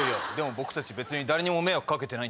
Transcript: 僕たち誰にも迷惑掛けてない。